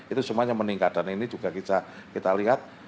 itu semuanya meningkat dan ini juga kita lihat